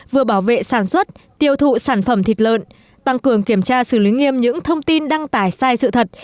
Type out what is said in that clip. vừa bảo vệ sản xuất tiêu thụ sản phẩm thịt lợn tăng cường kiểm tra xử lý nghiêm những thông tin đăng tải sai sự thật